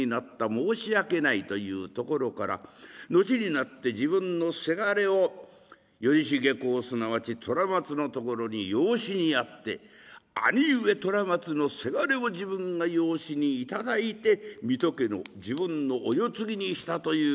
申し訳ない」というところから後になって自分のせがれを頼重公すなわち虎松のところに養子にやって兄上虎松のせがれを自分が養子に頂いて水戸家の自分のお世継ぎにしたということでございます。